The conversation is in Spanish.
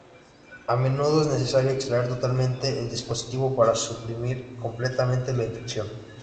A menudo es necesario extraer totalmente el dispositivo para suprimir completamente la infección.